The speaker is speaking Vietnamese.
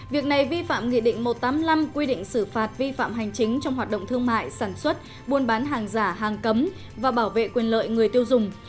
việc này vi phạm nghị định một trăm tám mươi năm quy định xử phạt vi phạm hành chính trong hoạt động thương mại sản xuất buôn bán hàng giả hàng cấm và bảo vệ quyền lợi người tiêu dùng